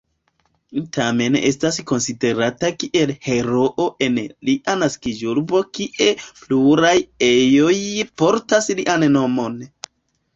Tamen estas konsiderata kiel heroo en lia naskiĝurbo kie pluraj ejoj portas lian nomon.